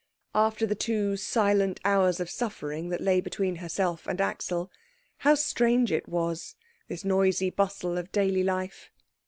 After the two silent hours of suffering that lay between herself and Axel, how strange it was, this noisy bustle of daily life.